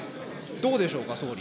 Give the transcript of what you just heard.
どうでしょうか、総理。